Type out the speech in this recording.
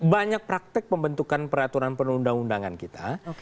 banyak praktek pembentukan peraturan perundang undangan kita